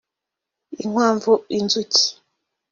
inkwavu inzuki